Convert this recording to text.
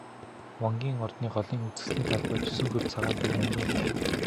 Вангийн ордны голын үзэсгэлэнт талбайд есөн хөлт цагаан туг намиран байлаа.